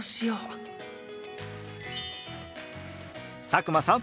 佐久間さん